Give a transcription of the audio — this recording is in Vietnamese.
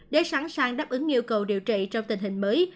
để sẵn sàng đáp ứng yêu cầu điều trị trong tình hình mới